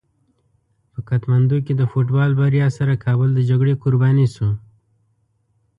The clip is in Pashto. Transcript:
په کتمندو کې د فوټبال بریا سره کابل د جګړې قرباني شو.